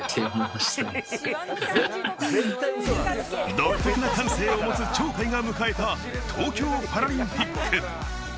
独特な感性をもつ鳥海が迎えた東京パラリンピック。